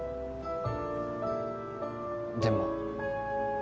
でも